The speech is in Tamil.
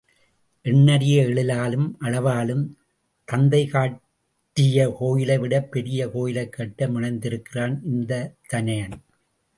எண்ணரிய எழிலாலும் அளவாலும் தந்தை கட்டிய கோயிலை விடப் பெரிய கோயிலை கட்ட முனைந்திருக்கிறான் இந்தத் தனயன்.